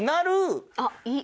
あっいい。